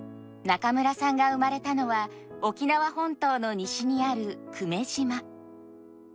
中村さんが生まれたのは沖縄本島の西にある久米島。